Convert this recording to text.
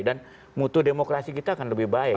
dan mutu demokrasi kita akan lebih baik